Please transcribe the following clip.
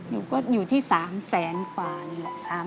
อยู่ก็อยู่ที่๓แสนกว่านี่แหละ